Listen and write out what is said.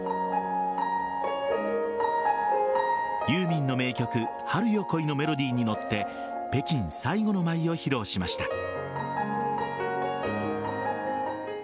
ユーミンの名曲「春よ、来い」のメロディーに乗って北京最後の舞を披露しました。